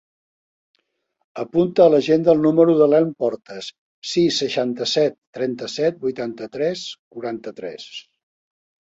Apunta a l'agenda el número de l'Elm Portas: sis, seixanta-set, trenta-set, vuitanta-tres, quaranta-tres.